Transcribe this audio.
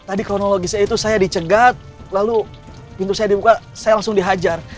tadi kronologisnya itu saya dicegat lalu pintu saya dibuka saya langsung dihajar